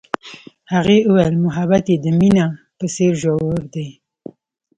هغې وویل محبت یې د مینه په څېر ژور دی.